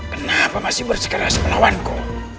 kenapa masih bersikeras menawanku